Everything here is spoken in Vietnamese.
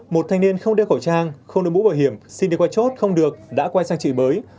một thanh niên không đeo khẩu trang không được mũ bảo hiểm xin đi qua chốt không được đã quay sang trị bới